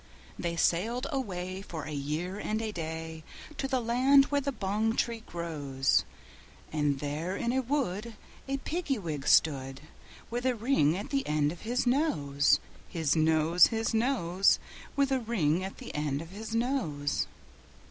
They sailed away, for a year and a day, To the land where the bong tree grows; And there in a wood a Piggy wig stood, With a ring at the end of his nose, His nose, His nose, With a ring at the end of his nose.